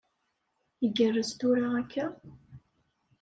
Igerrez tura akka?